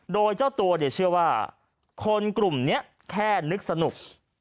โดยเจ้าตัวเชื่อว่าคนกลุ่มนี้แค่นึกสนุก